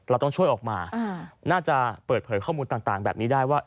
เราต้องช่วยออกมาน่าจะเปิดเผยข้อมูลต่างแบบนี้ได้ว่า